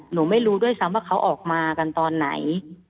หนูไม่รู้ด้วยซ้ำว่าเขาออกมากันตอนไหน